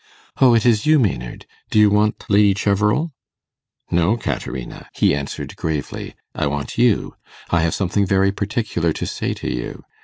'Oh, it is you, Maynard! Do you want Lady Cheverel?' 'No, Caterina,' he answered gravely; 'I want you. I have something very particular to say to you.